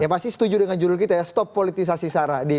yang pasti setuju dengan judul kita ya stop politisasi sarah